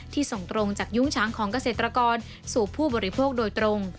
ส่งตรงจากยุ้งช้างของเกษตรกรสู่ผู้บริโภคโดยตรง